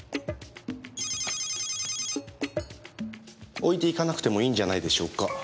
置いていかなくてもいいんじゃないでしょうか？